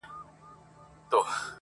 چي پښتانه په جبر نه، خو په رضا سمېږي.!.!